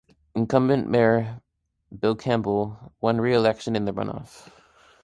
Incumbent mayor Bill Campbell won reelection in the runoff.